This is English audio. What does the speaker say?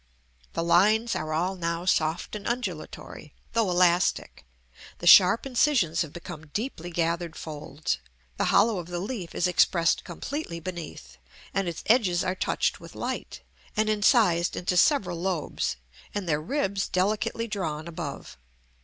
The lines are all now soft and undulatory, though elastic; the sharp incisions have become deeply gathered folds; the hollow of the leaf is expressed completely beneath, and its edges are touched with light, and incised into several lobes, and their ribs delicately drawn above.